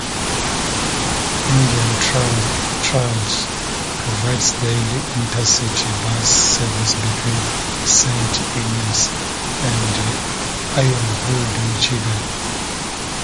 Indian Trails provides daily intercity bus service between Saint Ignace and Ironwood, Michigan.